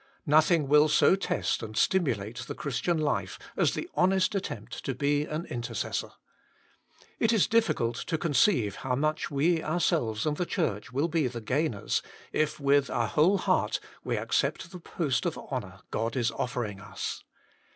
Nothing will so test and stimulate the Christian life as the honest attempt to be an intercessor. It is difficult to conceive how much we ourselves and the Church will be the gainers, if with our whole heart we accept the post of honour God is offering us.